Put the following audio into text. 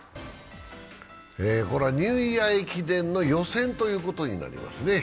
ニューイヤー駅伝の予選ということになりますね。